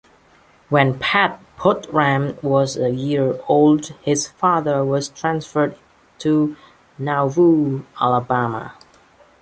When "Pat" Buttram was a year old, his father was transferred to Nauvoo, Alabama.